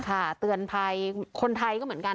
เตือนภัยคนไทยก็เหมือนกัน